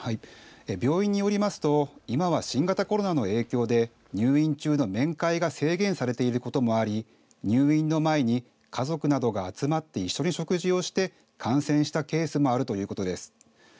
病院によりますと、今は新型コロナの影響で入院中の面会が制限されていることもあり入院の前に家族などが集まって一緒に食事をして感染したケースもあるということです。